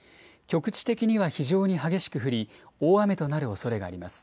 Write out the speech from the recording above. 局地的には非常に激しく降り大雨となるおそれがあります。